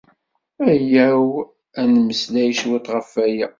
Aya-w ad nemmeslay cwiṭ ɣef aya.